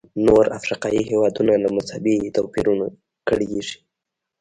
نور افریقایي هېوادونه له مذهبي توپیرونو کړېږي.